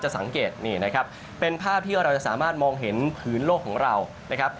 สังเกตนี่นะครับเป็นภาพที่เราจะสามารถมองเห็นผืนโลกของเรานะครับ